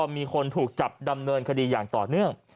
มีคนถูกจับดำเนินคดีอย่างต่อเนื่อง